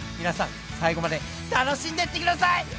皆さん最後まで楽しんでってください！